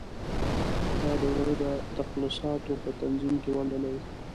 دا د زړه د تقلصاتو په تنظیم کې ونډه لري.